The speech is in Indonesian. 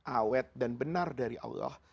awet dan benar dari allah